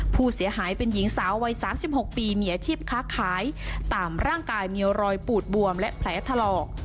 ผู้เสียหายเป็นหญิงสาววัย๓๖ปีมีอาชีพค้าขายตามร่างกายมีรอยปูดบวมและแผลถลอก